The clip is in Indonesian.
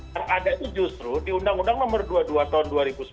karena ada itu justru di undang undang nomor dua puluh dua tahun dua ribu sepuluh